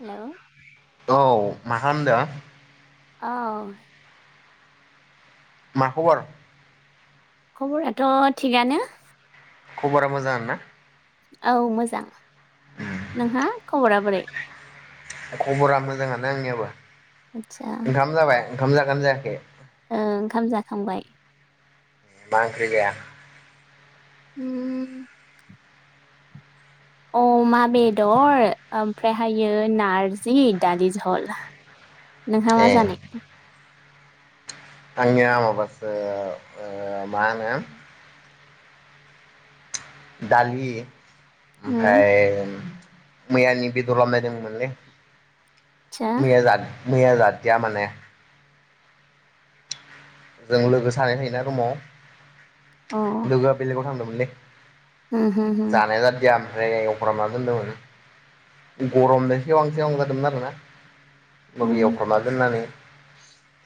hello औ मा होनदों औ मा खबर खबराथ' थिगानो खबरा मोजां ना औ मोजां नोंहा खबरा बोरै खबरा मोजाङानो आंनियाबो आतसा ओंखाम जाबाय ओंखाम जागोनना जायाखै ओंखाम जाखांबाय मा ओंख्रि जाया उम अमा बेदर ओमफ्रायहायो नारजि दालि जहल नोंहा मा ए जानाय आंनिया माबासो माहोनो दालि उम ओमफ्राय मैयानि बेदर लाबोनाय दंमोनलै आदसा मैया मैया जादिया माने जों लोगो सानै थायोना रुमाव अ लोगोआ बेलगाव थांदोंमोन उम हो हो [unintelligible] जानाय जादिया आं जायगाय एवफ्राना दोनदोंमोन गरमनि सेबां सेबां जादोंमोन आरोना होनबाबो एवफ्रामना दोननानै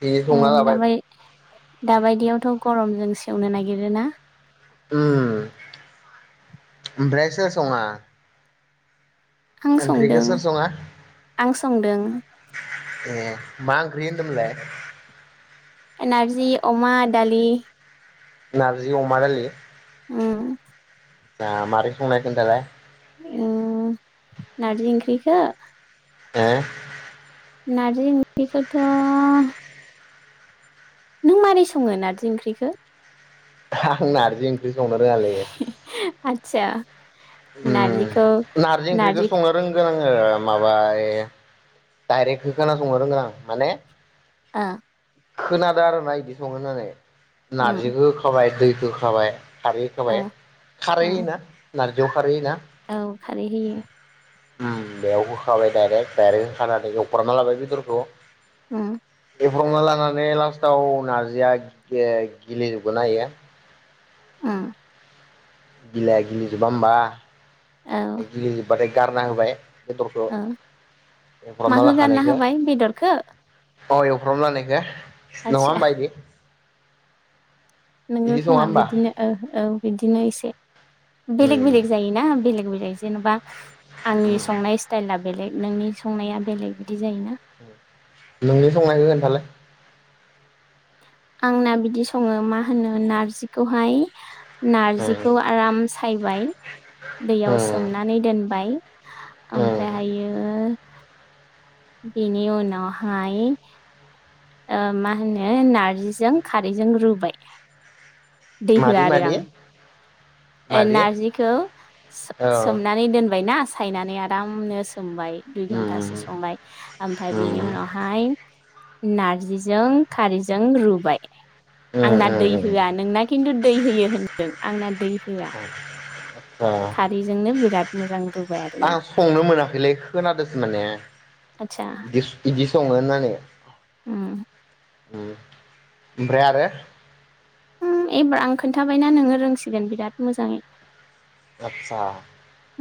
बिदि संना ओम जाबाय दाबाय दाबायदियावथ' गरमजों से सेवनो नागिरोना उम ओमफ्राय सोर सङा आं ओंख्रिखौ संदों सोर सङा आं संदों ए मा ओंख्रि होन्दोंमोनलाय नार्जि अमा दालि नारजि अमा दालि हम मा मारै संनाय खोनथालाय ओम नारजि ओंख्रिखौ हो नारजि ओंख्रिखोथ' नों मोरै सङो नारजि ओंख्रिखो आं नारजि ओंख्रि संनो रोङालै आतसा ओम नारजिखौ नारजि ओंख्रिखौ संनो रोंगो ओ माबा ए दायरेक्ट होखाना संनो रोंगोन आं माने आ खोनादों आरोना बिदि सङो होननानै उम नारजिखौ होखाबाय दै होखाबाय खारै ओ होखाबाय खारै उम होयोना नार खारैहोयो ना औ खारै होयो ओम बेयाव होखाबाय दडाइरेक्ट दडाइरेक्ट होखाना एवख्रना लाबाय बेदरखौ ओम फेब्रंना लानानै लास्टाव नार्जिया गेलेजोबगोना इयो ओम गिलाया गिलिजोबा होमबा गिलिजोबबाथाय गारना होबाय बेदरखौ ओ एवफ्रामना माखौ गारना लाखानायखौ होबाय बेदरखौ अ एवफ्रामना होनायखौ नङा आदसा होनबा इदि नोंगो इदि सङा खोमा होमबा बिदिनो औ औ बिदिनो इसे बेलेग उम बेलेग जायोना बेलेग बेलेग जेनेबा उम आंनि संनाय स्टाइला बेलेग नोंनि संनाया बेलेग बिदि जायोना नोंनि संनायखौ खोनथालाय आंना बिदि सङो मा होनो नारजिखौहाय उम नारजिखौ आराम सायबाय दैयाव उम सोमनानै दोनबाय ओमफ्राय उम हायो बिनि उनाव हाय ओ मा होनो नारजिजों खारैजों रुबाय दै होआ मादि आरो मादि आं ए मादि औ नारजिखौ सो सोमनानै दोनबाय ना सायनानै आरामनो सोमबाय दुइ उम उम घन्टासो सोमबाय ओमफ्राय बिनि उम उनावहाय नारजिजों खारैजों रुबाय आंना उम दै उम उम होआ नोंना किनथु दै होयो होनदों आंना दै होआ औ खारैजोंनो बिराद मोजां रुबाय आरोना आं संनो मोनाखैलै खोनादोंसो माने आदसा इदि इदि सङो होननानै उम उ ओमफ्राय आरो उ एबार आं खोनथाबायना नोङो रोंसिगोन बिराद मोजाङै आतसा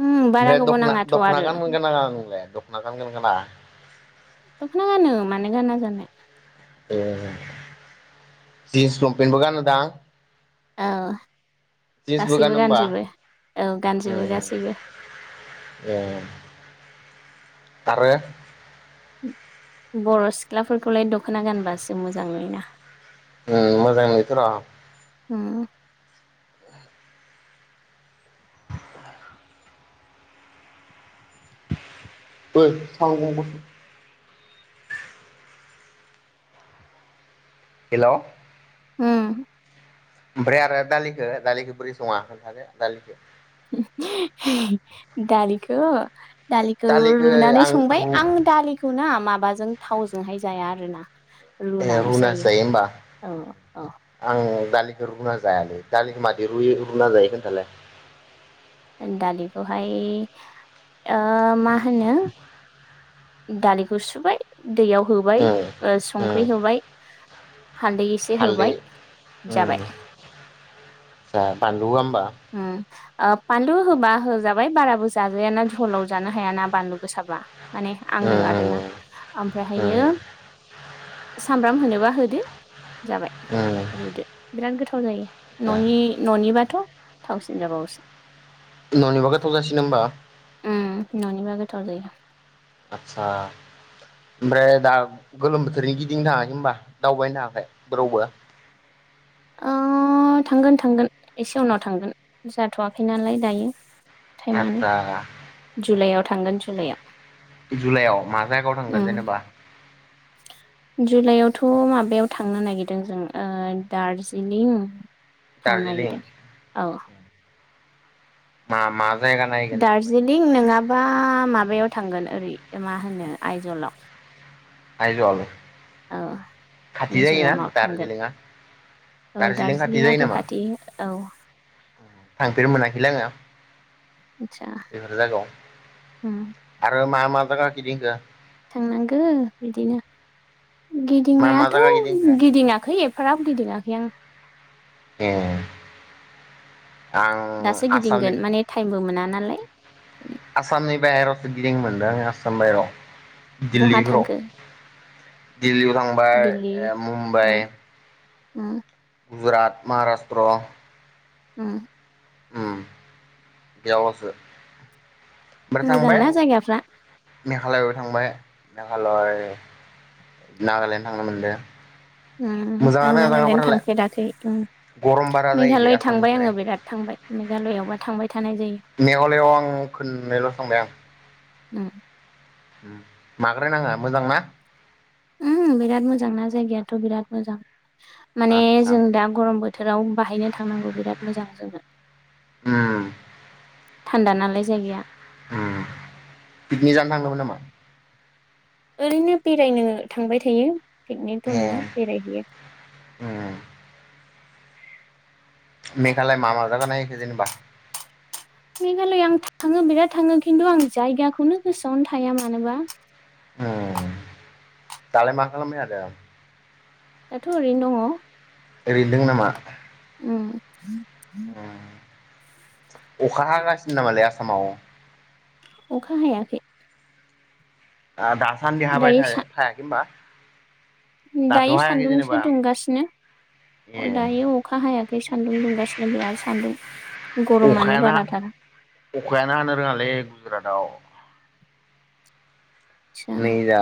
उम बारा गोबाव दख'ना नाङाथ' दख'ना आरो गानगोन गाना नोंलाय दख'ना गानगोन गाना दख'ना गानो मानो गाना जानो ए जिन्स लंपेनबो गानो दां औ गानो गासिबो होमबा गानजोबो औ गानजोबो गासैबो ए आरो बर' सिख्लाफोरखौलाय दख'ना गानबासो मोजां नुयोना उ मोजां नुयोथ' र' उ [unintelligible] हेलौ उम ओमफ्राय आरो दालिखौ दालिखौ बोरै सङा खोनथादो दालिखौ दालिखौ दालिखौ रुनानै आं संबाय रु आं दालिखौ ना मा माबाजों थावजोंहाय जाया आरो ना ए रुनासो जायो होमबा औ औ आं दालिखौ रुना जायालै दालिखौ मादै रुयो रुना जायो खोन्थालाय दालिखौहाय आ मा होनो दालिखौ सुबाय दैयाव होबाय ओ उम उम संख्रि होबाय हालदै एसे हालदै होबाय जाबाय आ बानलु होआ उम ओ बानलु होबा होजाबाय बाराबो जाजायाना झलाव जानो हायाना बानलु गोसाबा माने आङो उम आरोना उम उम ओमफ्रायहायो सामब्राम होनोबा होदो जाबाय उम रुदो बिराद गोथाव जायो दा न'नि न'नि बा थ थावसिन जाबावोसो न'निबा गोथावजासि नो होमबा न'नि बा गोथाव जायो आतसा ओमफ्राय दा गोलोम बोथोरनि गिदिंनो थाङाखै होनबा दावबायनो थाङाखै जेरावबो ओ थांगोन थांगोन एसे उनाव थांगोन जाथ'वाखै नालाय दायो टाइमानो आदसा जुलाइआव थांगोन जुलायाव जुलाइआव मा जायगायाव थांगोन उम जेनेबा थ' माबायाव थांनो नागिरदों जों ओ दार्जिलिं थांनो दार्जिलिं नागिरदों औ मा मा जायगा नायगोन जेनेबा बेयाव दार्जिलिं नोङाबा माबा माबायाव थांगोन ओरै मा होनो आइजलाव आय जल औ खाथि जायोना मिज'रामाव थांगोन दार्जिलिंआ औ दार्जिलिं खाथि जायो दार्जिलिंआथ' नामा खाथि औ थांफेरनो मोनाखैलै आङो आदसा बेफोर जायागायाव आरो मा मा जागा गिदिंखो थांनांगो बिदिनो मा मा गिदिंनायाथ' जायगा गिदिंखो गिदिङाखै एफाराब गिदिंआखै आं ए आं दासो आसामनि गिदिंगोन माने टाइमबो मोनान नालाय आसामनि बाहेरावसो गिदिं मोनदों आङ आसाम बाहेरायाव बहा थांखो दिल्लीफोराव दिल्ललियाव थांबा दिल्ली ए मुम्बाइ उम उम गुजरात माहाराष्ट्र उम उम बेयावलसो मोजांना जायगाफ्रा मेघालय आव थांबाय मेघालय नागालेण्ड थांनो मोनदो उमहो आं मोजाङानो नागालेण्ड जायगाफोरालाय थांफेराखै उम गरम बारा जायोलै मेघालय थांबाय आसामनिफ्राय आङो बिराद थांबाय मे मेघालयआवबा थांबाय थानाय जायो मेघालयआव आं खोननैल' थांबाय आं उम उम माग्राय नाङा मोजां ना उम बिराद मोजां ना जायगायाथ' बिराद मोजां माने आदसा जों दा गरम बोथोराव बाहायनो थांनांगौ बिराद मोजां जोंनो उम थान्दा नालाय जायगाया उम पिकनि जानो थांदोंमोन नामा ओरैनो बेरायनो थांबाय थायो पिकनिक थ' ए नङा बेरायहैयो उम मेघालय मा मा जागा नायखो जेनेबा मेघालया आं थाङो बिराद थाङो खिन्थु आं जायगाखोनो गोसोआवनो थाया मानोबा उम दालाय मा खालामबाय थादो दाथ' ओरैनो दङ ओरैनो दोङो नामा उम उम अखा हागासिनो नामालै आसामाव अखा हायाखै आ दा सान्दि हाबाय दायो थाय सा थायाखै होनबा दाथ' दायो हायाखै सान्दुंसो जेनेबा दुंगासिनो ए अ दायो अखा हायाखै सान्दुं दुंगासिनो बिराद सान्दुं गरमानो अखायानो बाराथार अखायानो हानो रोङालै गुजरातआव आदसा नै जा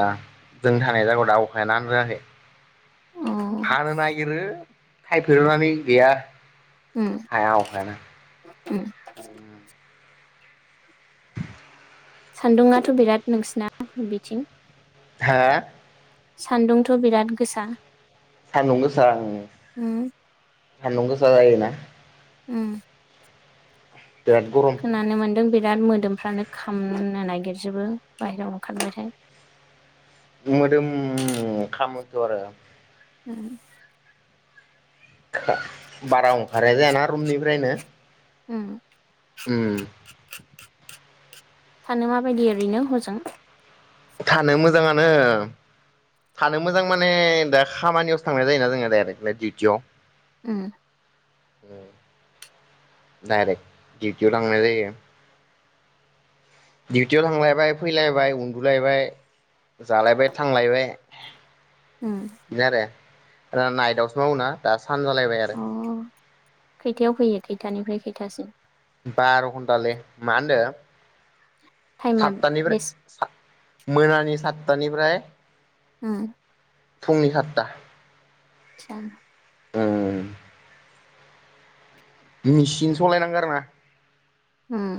जों थानाय जायगायाव दा अखायानो हानो रोङाखै अ हानो नागिरो थायफेर'नानै गैया उम हाया ओंखायनो उम सान्दुङाथ' बिराद नोंसिना बिथिं हा सान्दुंथ' बिराद गोसा सानदुं गोसा ओं उम सानदुं गोसा जायोना उम बिराद गरम खोनानो मोनदों बिराद मोदोमफ्रानो खामनो नागिरजोबो बाहेरायाव ओंखारबाथाय मोदोम खामोथ' आरो हम बारा ओंखारनाय जायाना रुमनिफ्रायनो उम उम थानो माबायदि ओरैनो हजों थानो मोजाङानो थानो मोजां माने दा खामानियाव थांनाय जायोना जोङो डाइरेक्टलाय डिउटियाव उम डायरेक्ट डिउटियाव थांनाय जायो डिउटियाव थांलायबाय फैलायबाय उन्दुलायबाय जालायबाय थांलायबाय उम बिदिनो आरो नाइटआवसो मावो ना दा सानजालायबाय आरो अ खैथायाव फैयो खैथानिफ्राय खैथासिम बार' घन्टालै मा होनदों टाइमा बेस सातथानिफ्राय मोनानि सात साततानिफ्राय हम फुंनि खातता आतसा ओं मेचिन सलायनांगौ आरो ना उम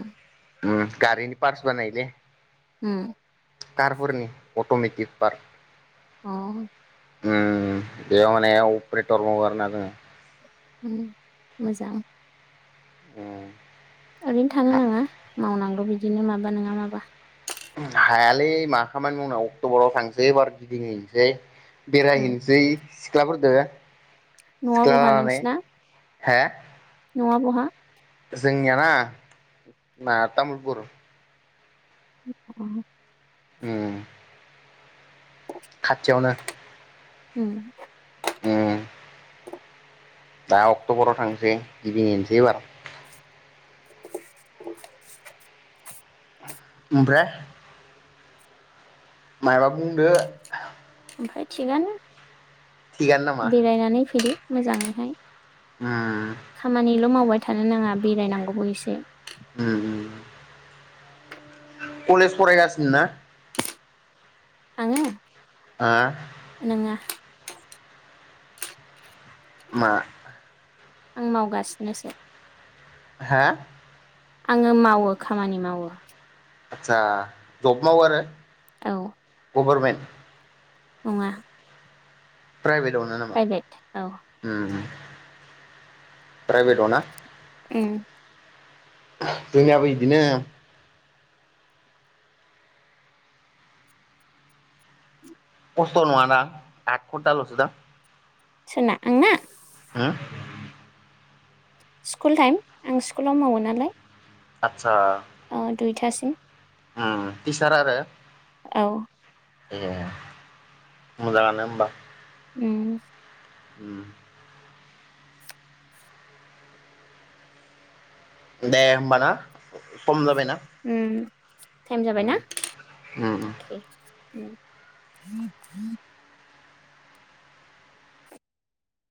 उम गारिनि पार्स बानायो जे होम कारफोरनि अट'मेटिक पार्ट अ उम बेयाव माने अपारेटर मावो आरोना जोङो मोजां उम ओरैनो थानो नाङा मावनांगौ बिदिनो माबा नोङा माबा हायालै मा खामानि मावनाव अक्ट'बराव थांसै एबार गिदिंहैनोसै उम बेरायहैनोसै सिख्लाफोरदो न'आ बहा नोंसिना हा न'आ बहा जोंनियाना ना जोंना तामुलपुर अ उम खाथियावनो उम उम दा अक्ट'बराव थांसै गिदिंहैनोसै एबार ओमफ्राय मायबा बुंदो ओमफ्राय थिगानो थिगानो नामा बेरायनानै फैदो मोजाङैहाय उम खामानिल' मावबाय थानो नाङा बेरायनांगौबो एसे उम उम कलेज फरायगासिनो ना आङो ओ नोङा मा आं मावगासिनोसो हा आङो मावो खामानि मावो आतसा जब मावो आरो औ गभरमेन्ट नङा प्राइभेटआवनो नामा प्राइभेट औ उम प्राइभेटावना उम जोंनियाबो इदिनो खस्थ' नङा दां आद खनथालसो दां सोरना आंना उम स्कुल टाइम आं स्कुलाव मावो नालाय आतसा अ दुइथासिम उम टिसार आरो औ ए मोजाङानो होमबा उम उम दे होमबाना सम जाबायना उम टाइम जाबाय उम ना उम उम अके [inaudible]